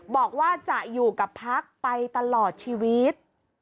บอกว่าจะอยู่กับพักไปตลอดชีวิต